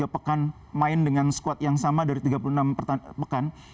tiga pekan main dengan squad yang sama dari tiga puluh enam pekan